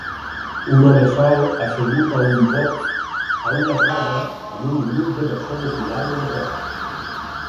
Un home sol assegut a un bot a una cova amb un grup de persones mirant-lo de prop.